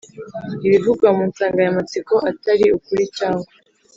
ibivugwa mu nsanganyamatsiko atari ukuri cyangwa